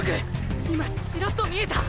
今チラッと見えた！！